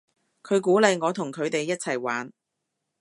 佢鼓勵我同佢哋一齊玩